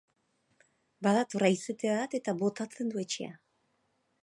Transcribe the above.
Badator haizete bat eta botatzen du etxea.